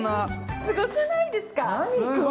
すごくないですか？